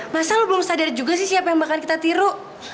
masa lu belum sadar juga sih siapa yang bakal kita tiru